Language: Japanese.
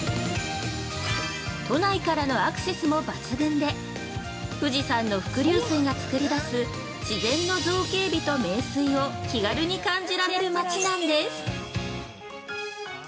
都内からのアクセスも抜群で富士山の伏流水がつくり出す自然の造形美を気軽に感じられます。